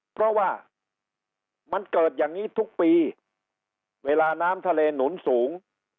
เพราะว่ามันเกิดอย่างนี้ทุกปีเวลาน้ำทะเลหนุนสูง